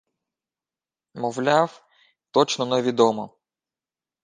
Мовляв, точно невідомо